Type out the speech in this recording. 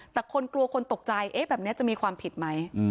แต่คนกลัวคนตกใจเอ๊ะแบบนี้จะมีความผิดไหม